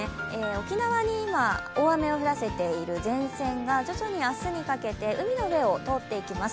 沖縄に今、大雨を降らせている前線が徐々に明日にかけて海の上を通っていきます。